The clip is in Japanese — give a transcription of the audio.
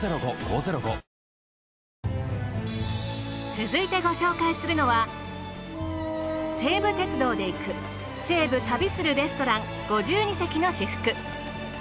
続いてご紹介するのは西武鉄道で行く西武旅するレストラン５２席の至福。